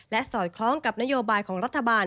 สอดคล้องกับนโยบายของรัฐบาล